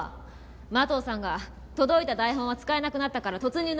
麻藤さんが「届いた台本は使えなくなったから突入の様子を録音する」。